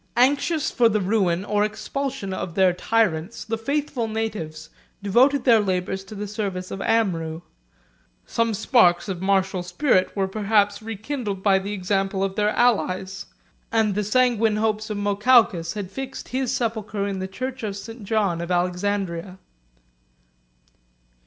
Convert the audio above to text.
Anxious for the ruin or expulsion of their tyrants, the faithful natives devoted their labors to the service of Amrou: some sparks of martial spirit were perhaps rekindled by the example of their allies; and the sanguine hopes of Mokawkas had fixed his sepulchre in the church of St. John of Alexandria.